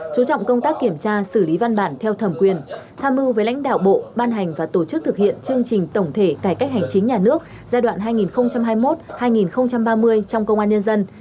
chú trọng công tác kiểm tra xử lý văn bản theo thẩm quyền tham mưu với lãnh đạo bộ ban hành và tổ chức thực hiện chương trình tổng thể cải cách hành chính nhà nước giai đoạn hai nghìn hai mươi một hai nghìn ba mươi trong công an nhân dân